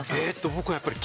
僕はやっぱり。